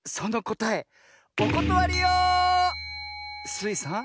スイさん